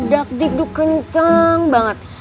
dakdikduk kenceng banget